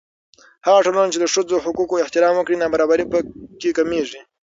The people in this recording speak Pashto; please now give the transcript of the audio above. هغه ټولنه چې د ښځو د حقوقو احترام وکړي، نابرابري په کې کمېږي.